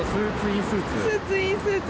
スーツ・イン・スーツ。